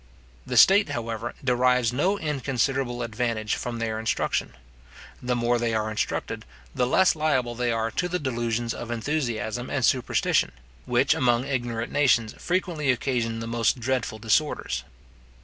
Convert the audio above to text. The state, however, derives no inconsiderable advantage from their instruction. The more they are instructed, the less liable they are to the delusions of enthusiasm and superstition, which, among ignorant nations frequently occasion the most dreadful disorders.